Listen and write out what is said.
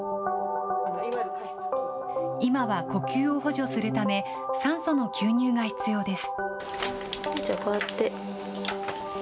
今は呼吸を補助するため、酸素の吸入が必要です。